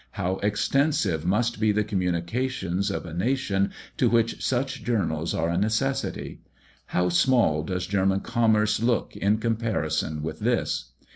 How extensive must be the communications of a nation to which such journals are a necessity! How small does German commerce look in comparison with this!